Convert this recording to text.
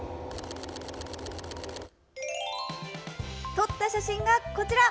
撮った写真がこちら。